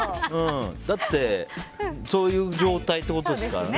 だって、そういう状態ってことですから。